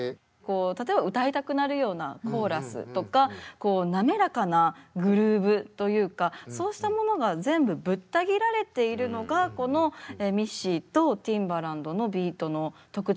例えば歌いたくなるようなコーラスとかこう滑らかなグルーブというかそうしたものが全部ぶった切られているのがこのミッシーとティンバランドのビートの特徴なのかなと思ってて。